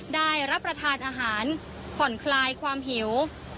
ได้รับประทานอาหารผ่อนคลายความหิว